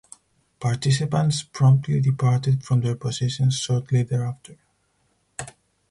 Participants promptly departed from their positions shortly thereafter.